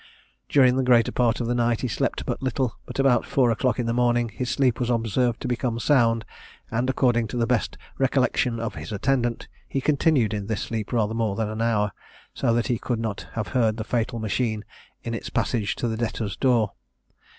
During the greater part of the night he slept but little; but at about four o'clock in the morning his sleep was observed to become sound, and, according to the best recollection of his attendant, he continued in this sleep rather more than an hour; so that he could not have heard the fatal machine in its passage to the Debtors' door.